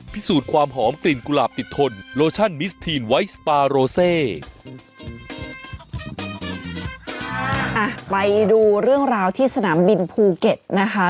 ไปดูเรื่องราวที่สนามบินภูเก็ตนะคะ